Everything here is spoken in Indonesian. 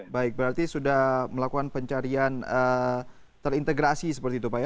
baik berarti sudah melakukan pencarian terintegrasi seperti itu pak ya